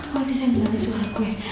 kau nanti saya ngeganti suara gue